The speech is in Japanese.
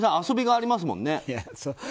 遊びがありますもんね。